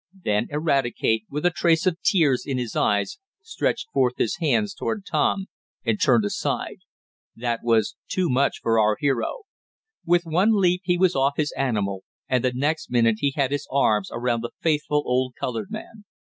Then Eradicate, with a trace of tears in his eyes, stretched forth his hands toward Tom, and turned aside. That was too much for our hero. With one leap he was off his animal, and the next minute he had his arms around the faithful old colored man.